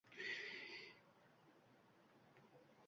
Mensfildning hikoyalari ko’pirtirilgan pivoga o’xshaydi.